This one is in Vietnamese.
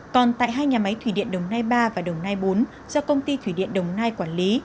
còn tại hai nhà máy thủy điện đồng nai ba và đồng nai bốn do công ty thủy điện đồng nai quản lý